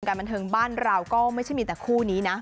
การบันเทิงบ้านเราก็ไม่ใช่มีแต่คู่นี้นะ